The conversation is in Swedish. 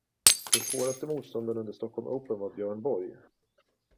Den svåraste motståndaren under Stockholm open var Björn Borg.